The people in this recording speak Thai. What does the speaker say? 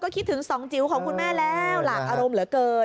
คิดถึงสองจิ๋วของคุณแม่แล้วหลากอารมณ์เหลือเกิน